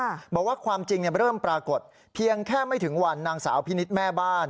เพราะว่าความจริงเริ่มปรากฏเพียงแค่ไม่ถึงวันนางสาวพินิตแม่บ้าน